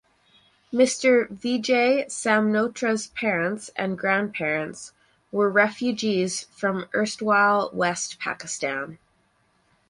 Mr Vijay Samnotra’s parents and grandparents were refugees from erstwhile West Pakistan.